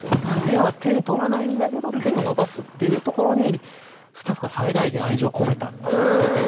ミアは手に取らないんだけど手を伸ばすっていうところにスタッフが最大限愛情を込めたって言ってて。